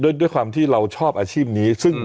ด้วยความที่เราชอบอาชีพนี้